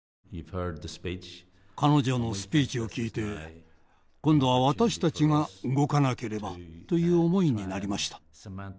彼女のスピーチを聞いて今度は私たちが動かなければという思いになりました。